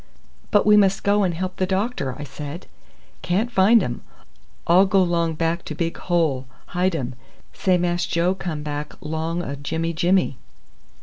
"But we must go and help the doctor," I said. "Can't find um. All go long back to big hole. Hidum. Say Mass Joe come back long o' Jimmy Jimmy."